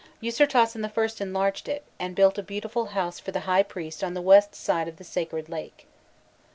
Ûsirtasen I. enlarged it, and built a beautiful house for the high priest on the west side of the sacred lake.